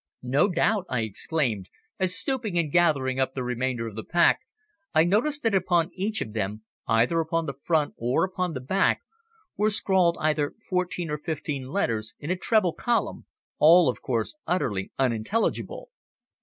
"No doubt," I exclaimed, as, stooping and gathering up the remainder of the pack, I noticed that upon each of them, either upon the front or upon the back, were scrawled either fourteen or fifteen letters in a treble column, all, of course, utterly unintelligible.